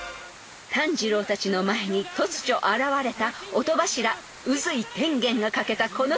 ［炭治郎たちの前に突如現れた音柱宇髄天元がかけたこのせりふ］